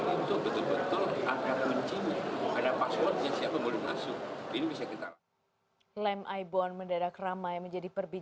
satu persis bagaimana penyusupan perumahan sehingga kita sempat bersihkan dengan diberi